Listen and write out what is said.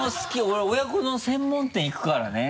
俺親子丼専門店行くからね。